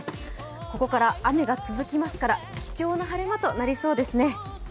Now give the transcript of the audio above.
ここから雨が続きますから貴重な晴れ間となりそうですね。